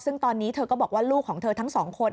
ซึ่งตอนนี้เธอก็บอกว่าลูกของเธอทั้งสองคน